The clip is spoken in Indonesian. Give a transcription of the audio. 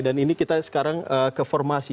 dan ini kita sekarang ke formasi